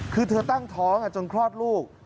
คือเธอตั้งท้องจนคลอดลูก